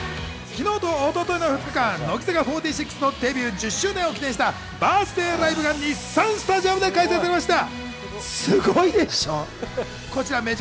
昨日とおととといの２日間、乃木坂４６のデビュー１０周年を記念したバースデーライブが日産スタジアムで開催されました。